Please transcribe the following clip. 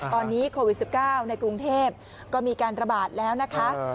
ตอนนี้โควิด๑๙ในกรุงเทพก็มีการระบาดแล้วนะคะ